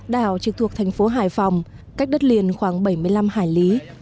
đảo trực thuộc thành phố hải phòng cách đất liền khoảng bảy mươi năm hải lý